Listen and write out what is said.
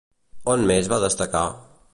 On més va destacar?